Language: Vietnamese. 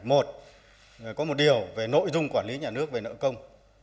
một có một điều về nội dung quản lý nhà nước về nợ công